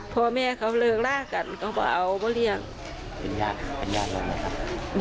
พอแม่เขาเริ่งร่ากันเขาก็เอามาเลี้ยงเป็นยากเป็นยากแล้วนะครับ